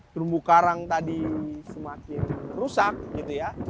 terumbu karang tadi semakin rusak gitu ya